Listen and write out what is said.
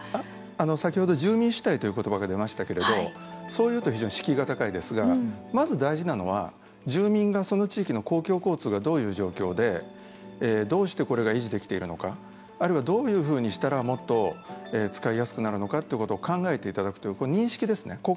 先ほど住民主体ということばが出ましたけれどそう言うと非常に敷居が高いですがまず大事なのは住民がその地域の公共交通がどういう状況でどうしてこれが維持できているのかあるいはどういうふうにしたらもっと使いやすくなるのかということを考えていただくという認識ですね。